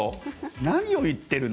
何を言っているの？